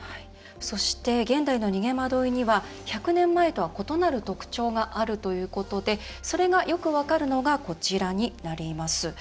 そして現代の逃げ惑いには１００年前とは異なる特徴があるということでそれがよく分かるのがこちらになります。